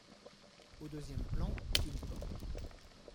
Au deuxième plan, une porte.